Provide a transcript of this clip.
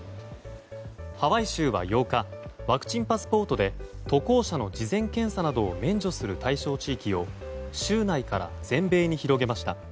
ハワイ州は８日ワクチンパスポートで渡航者の事前検査などを免除する対象地域を州内から全米に広げました。